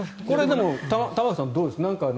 これでも、玉川さんどうです？